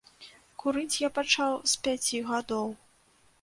Курыць я пачаў з пяці гадоў.